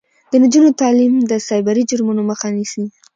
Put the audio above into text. د نجونو تعلیم د سایبري جرمونو مخه نیسي.